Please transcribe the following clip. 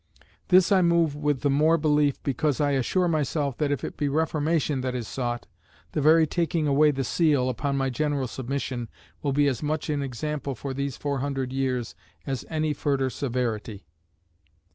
"This I move with the more belief, because I assure myself that if it be reformation that is sought, the very taking away the seal, upon my general submission, will be as much in example for these four hundred years as any furder severity."